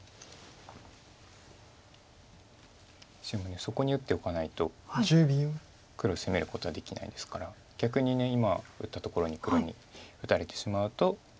白そこに打っておかないと黒を攻めることはできないですから逆に今打ったところに黒に打たれてしまうと。